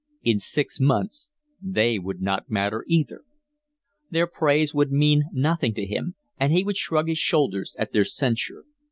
In six months they would not matter either. Their praise would mean nothing to him, and he would shrug his shoulders at their censure.